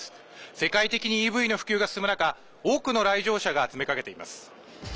世界的にＥＶの普及が進む中多くの来場者が詰めかけています。